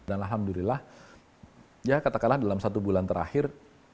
dan alhamdulillah ya katakanlah dalam satu bulan terakhir